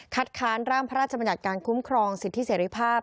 ค้านร่างพระราชบัญญัติการคุ้มครองสิทธิเสรีภาพ